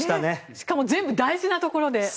しかも全部大事なところで。